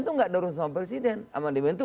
itu nggak ada urusan sama presiden amandemen itu